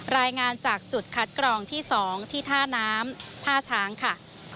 รายงานจากจุดคัดกรองที่๒ที่ท่าน้ำท่าช้างค่ะ